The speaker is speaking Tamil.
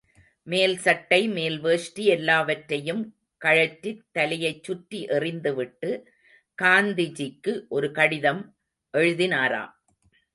மேல் சட்டை, மேல் வேஷ்டி எல்லாவற்றையும் கழற்றித் தலையைச் சுற்றி எறிந்து விட்டு, காந்திஜிக்கு ஒரு கடிதம் எழுதினாராம்.